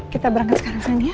kita berangkat sekarang ya